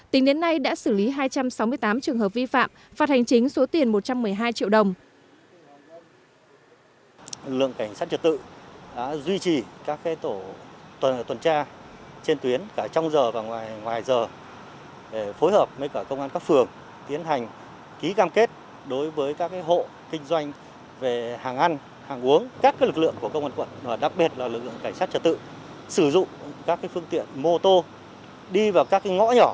tính đến nay đã xử lý hai trăm sáu mươi tám trường hợp vi phạm phạt hành chính số tiền một trăm một mươi hai triệu đồng